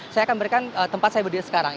saya akan berikan tempat saya berdiri sekarang